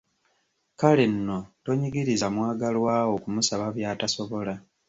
Kale nno tonyigiriza mwagalwa wo kumusaba by’atasobola.